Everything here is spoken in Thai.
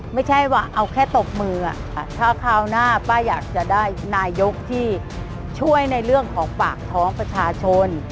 ไม่ใช่ว่าเอาแค่ตบมือถ้าคราวหน้าป้าอยากจะได้นายกที่ช่วยในเรื่องของปากท้องประชาชน